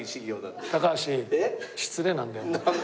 高橋失礼なんだよお前。